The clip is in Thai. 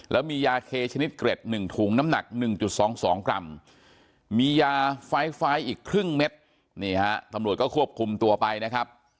แล้วมียาเคชนิดเกร็ด๑ถุงน้ำหนัก๑๒๒กรัมมียาไฟล์อีกครึ่งเม็ดนี่ฮะตำรวจก็ควบคุมตัวไปนะครับ